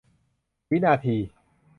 วินาที